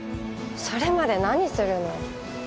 それまで何するの？